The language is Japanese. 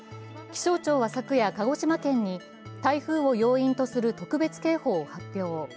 気象庁は昨夜、鹿児島県に台風を要因とする特別警報を発表。